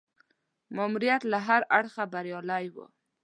ماموریت له هره اړخه بریالی وو.